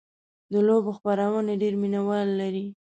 د لوبو خپرونې ډېر مینهوال لري.